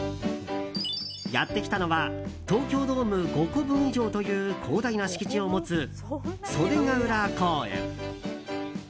やってきたのは東京ドーム５個分以上という広大な敷地を持つ袖ケ浦公園。